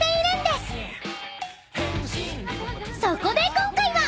［そこで今回は］